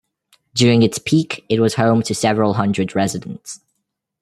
During its peak, it was home to several hundred residents.